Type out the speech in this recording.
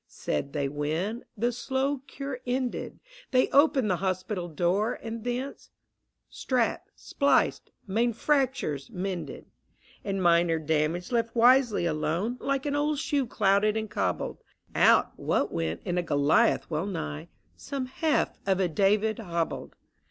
" Said they when — the slow cure ended — They opened the hospital door, and thence — Strapped, spliced, main fractures mended, And minor damage left wisely alone, — Like an old shoe clouted and cobbled, Out — what went in a Goliath wellnigh, — Some half of a David hobbled.